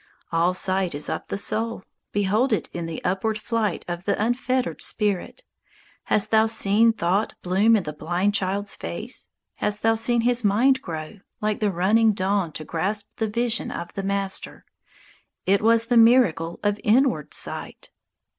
All sight is of the soul. Behold it in the upward flight Of the unfettered spirit! Hast thou seen Thought bloom in the blind child's face? Hast thou seen his mind grow, Like the running dawn, to grasp The vision of the Master? It was the miracle of inward sight.